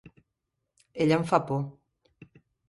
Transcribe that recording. Ell em fa por.